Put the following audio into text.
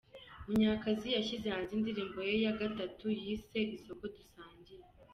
Munyakazi yashyize hanze indirimbo ye ya gatatu yise ’Isoko Dusangiye’.